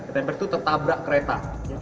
tertemper itu tertabrak kereta